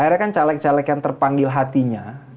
akhirnya kan caleg caleg yang terpanggil hatinya